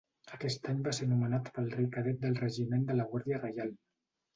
Aquest any va ser nomenat pel rei cadet del regiment de la Guàrdia Reial.